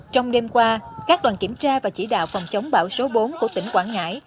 trong đêm qua các đoàn kiểm tra và chỉ đạo phòng chống bão số bốn của tỉnh quảng ngãi